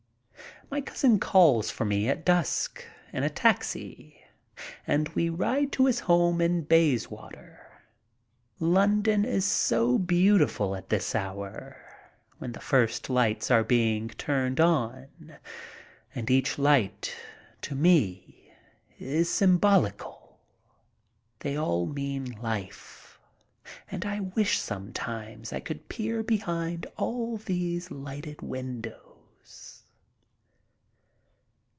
My cousin calls for me at dusk in a taxi and we ride to his home in Bayswater. London is so beautiful at this hour, when the first lights are being turned on, and each light to me is symbolical. They all mean life, and I wish some times I could peer behind all these lighted windows.